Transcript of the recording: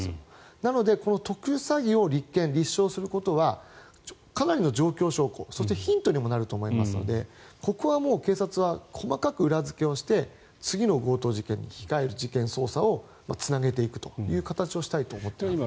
なので、特殊詐欺を立件・立証することはかなりの状況証拠そしてヒントになると思うのでここは警察は細かく裏付けをして次の強盗事件に控える事件捜査をつなげていくという形をしたいと思っていると思います。